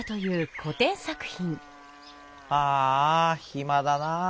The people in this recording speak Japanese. ああひまだなあ！